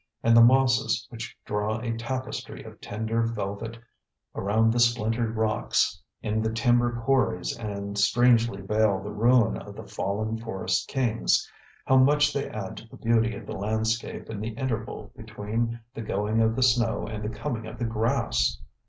And the mosses which draw a tapestry of tender velvet around the splintered rocks in the timber quarries and strangely veil the ruin of the fallen forest kings, how much they add to the beauty of the landscape in the interval between the going of the snow and the coming of the grass!